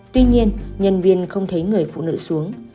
tuy nhiên nhân viên không thấy người phụ nữ xuống